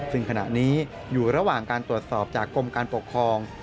ซึ่งขณะนี้อยู่ระหว่างการตรวจสอบจากกรมการปกครอง